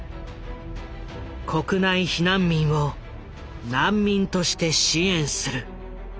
国内避難民を難民として支援する。